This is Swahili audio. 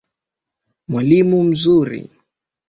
Mwalimu mzuri.